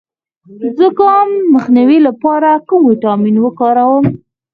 د زکام د مخنیوي لپاره کوم ویټامین وکاروم؟